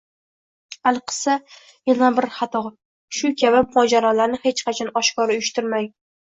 Alqissa, yana bir xato: bu kabi mojarolarni hech qachon oshkora uyushtirmang.